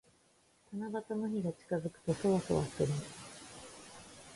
七夕の日が近づくと、そわそわする。